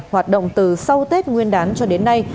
hoạt động từ sau tết nguyên đán cho đến nay